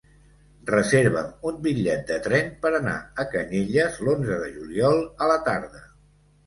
Reserva'm un bitllet de tren per anar a Canyelles l'onze de juliol a la tarda.